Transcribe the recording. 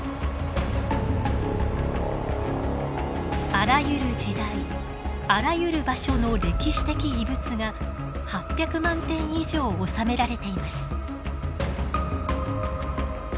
あらゆる時代あらゆる場所の歴史的遺物が８００万点以上収められています。